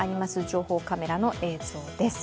情報カメラの映像です。